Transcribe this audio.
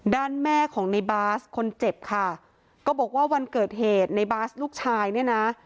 ด้านแม่ของในบาสคนเจ็บค่ะก็บอกว่าวันเกิดเหตุในบาสลูกชายเนี่ยนะ